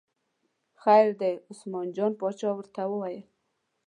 خیر دی، عثمان جان باچا ورته وویل.